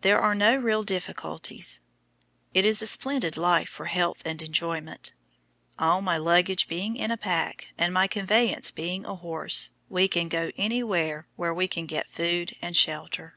There are no real difficulties. It is a splendid life for health and enjoyment. All my luggage being in a pack, and my conveyance being a horse, we can go anywhere where we can get food and shelter.